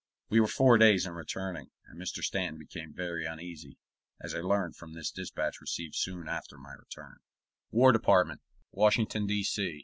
We were four days in returning, and Mr. Stanton became very uneasy, as I learned from this dispatch received soon after my return: WAR DEPARTMENT, WASHINGTON, D.C.